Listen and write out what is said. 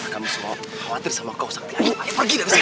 kami semua khawatir sama kau sakti ayo pergi dari sini